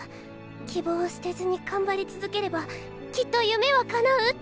「希望を捨てずに頑張り続ければきっと夢はかなう」って。